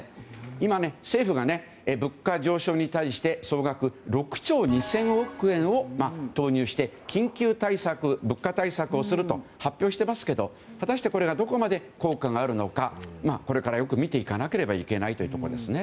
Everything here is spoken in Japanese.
今、政府が物価上昇に対して総額６兆２０００億円を投入して緊急物価対策をすると発表していますけど果たしてこれがどこまで効果があるのかこれからよく見ていかなければいけないということです。